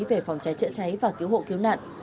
về phòng cháy chữa cháy và cứu hộ cứu nạn